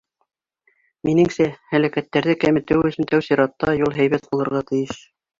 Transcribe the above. Минеңсә, һәләкәттәрҙе кәметеү өсөн тәү сиратта юл һәйбәт булырға тейеш.